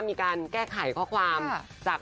มีการแก้ไขข้อความจาก